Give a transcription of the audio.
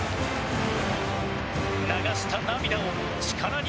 流した涙を力に変えて